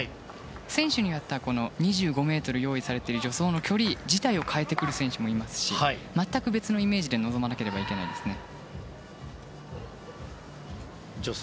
選手によっては２５ｍ用意されている助走の距離自体も変えてくる選手もいますし全く別のイメージで臨まなければいけないですね。